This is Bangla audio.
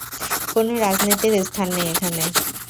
কোনও রাজনীতির স্থান নেই এখানে।